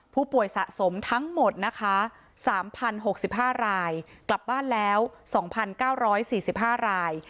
ผู้ป่วยสะสมทั้งหมดนะคะ๓๐๖๕รายกลับบ้านแล้ว๒๙๔๕ราย